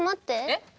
えっ？